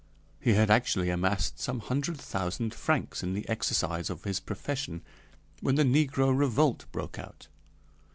He had actually amassed some hundred thousand francs in the exercise of his profession when the negro revolt broke out.